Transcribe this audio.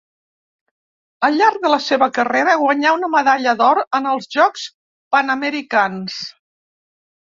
Al llarg de la seva carrera guanyà una medalla d'or en els Jocs Panamericans.